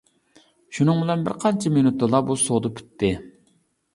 شۇنىڭ بىلەن بىر قانچە مىنۇتتىلا بۇ سودا پۈتتى.